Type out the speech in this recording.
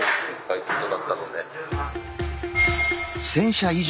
えっ１０００社以上？